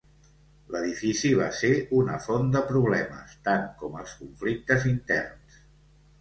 L'edifici va ser una font de problemes, tant com els conflictes interns.